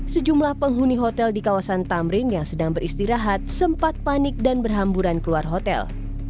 sejumlah penghuni hotel di kawasan tamrin yang sedang beristirahat sempat panik dan berhamburan keluar hotel